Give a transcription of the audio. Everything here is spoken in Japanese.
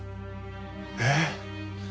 えっ？